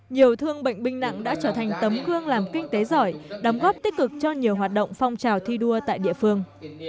nhiều thương bệnh binh nặng đã trở thành tấm gương làm kinh tế giỏi đóng góp tích cực cho nhiều hoạt động phong trào thi đua tại địa phương